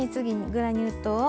グラニュー糖は。